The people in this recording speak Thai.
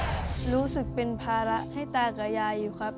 ก็รู้สึกเป็นภาระให้ตากับยายอยู่ครับ